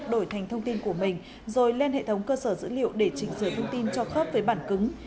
đổi thành thông tin của mình rồi lên hệ thống cơ sở dữ liệu để chỉnh sửa thông tin cho khớp với bản cứng